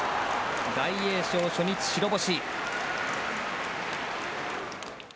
大栄翔、初日白星。